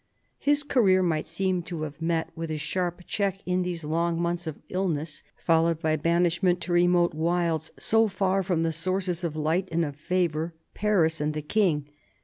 His career might seem to have met with a sharp check in these long months of illness, followed by banishment to remote wilds, so far from the sources of light and of favour, Paris and the King.